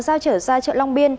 giao trở ra chợ long biên